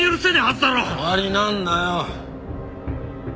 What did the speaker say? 終わりなんだよ。